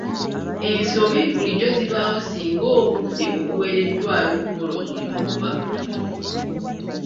Ensobi bulijjo zibaawo singa obudde obuweereddwayo okukola omulimu buba butono.